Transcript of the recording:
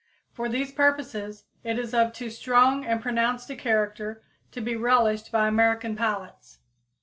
For these purposes it is of too strong and pronounced a character to be relished by American palates.